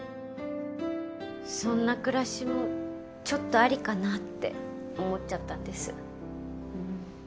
そんな暮らしもちょっとありかなって思っちゃったんです。